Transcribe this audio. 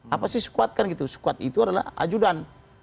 apa sih squad kan gitu squad itu adalah ajudan